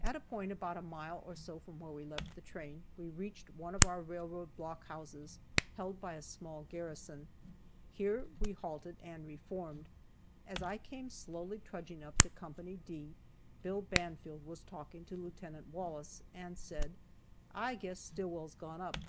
At a point about a mile or so from where we left the train, we reached one of our railroad block houses, held by a small garrison. Here we halted, and reformed. As I came slowly trudging up to Co. D, Bill Banfield was talking to Lieut. Wallace, and said: "I guess Stillwell's gone up.